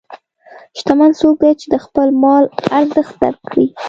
شتمن څوک دی چې د خپل مال ارزښت درک کړي.